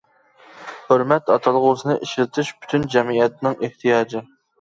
ھۆرمەت ئاتالغۇسىنى ئىشلىتىش پۈتۈن جەمئىيەتنىڭ ئېھتىياجى.